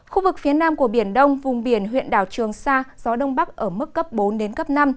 khu vực phía nam của biển đông vùng biển huyện đảo trường sa gió đông bắc ở mức cấp bốn đến cấp năm